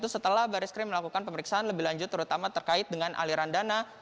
setelah baris krim melakukan pemeriksaan lebih lanjut terutama terkait dengan aliran dana